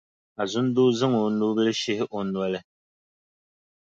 Azindoo zaŋ o nubila shihi o noli.